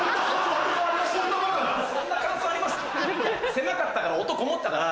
狭かったから音こもったから。